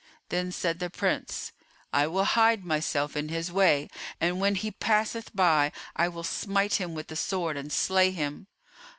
Then said the Prince, "I will hide myself in his way, and when he passeth by I will smite him with the sword and slay him."